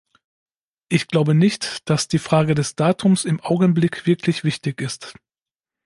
Ich glaube nicht, dass die Frage des Datums im Augenblick wirklich wichtig ist.